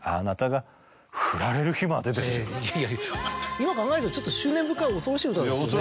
今考えるとちょっと執念深い恐ろしい歌ですよね。